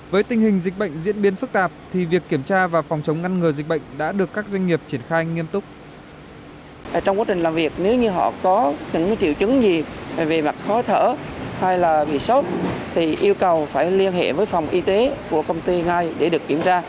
với tình hình dịch bệnh diễn biến phức tạp thì việc kiểm tra và phòng chống ngăn ngừa dịch bệnh đã được các doanh nghiệp triển khai nghiêm túc